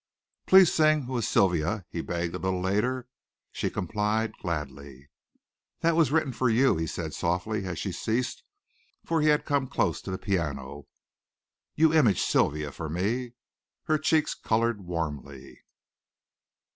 "Please sing 'Who is Sylvia,'" he begged a little later. She complied gladly. "That was written for you," he said softly as she ceased, for he had come close to the piano. "You image Sylvia for me." Her cheeks colored warmly.